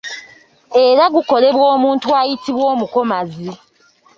Era gukolebwa omuntu ayitibwa omukomazi.